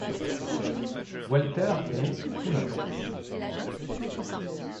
Walter est... tout l’inverse.